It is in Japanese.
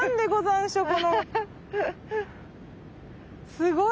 すごい！